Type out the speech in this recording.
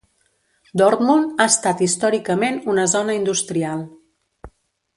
Dortmund ha estat històricament una zona industrial.